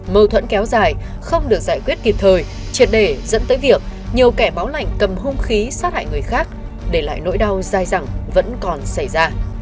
mâu thuẫn kéo dài không được giải quyết kịp thời triệt đề dẫn tới việc nhiều kẻ báo lạnh cầm hung khí sát hại người khác để lại nỗi đau da rằng vẫn còn xảy ra